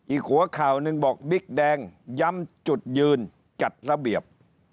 อีกหัวข่าวหนึ่งบอกบิ๊กแดงย้ำจุดยืนจัดระเบียบ